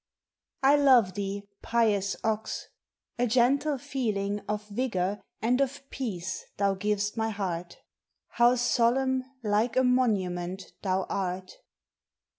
I love thee, pious ox; a gentle feeling Of vigor and of peace thou giv'st my heart. How solemn, like a monument, thou art!